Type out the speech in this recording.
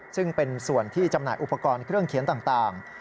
ซึ่งเป็นส่วนที่จำหน่ายอุปกรณ์เครื่องเขียนต่าง